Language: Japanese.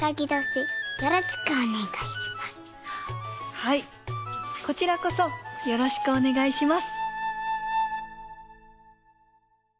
はいこちらこそよろしくおねがいします。